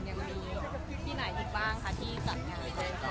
ยังมีที่ไหนอีกบ้างคะที่จัดงาน